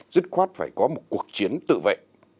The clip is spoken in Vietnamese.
rất khoát phải có một cuộc chiến tự vệ